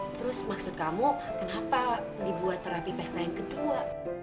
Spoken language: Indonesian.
terus maksud kamu kenapa dibuat terapi pesta yang kedua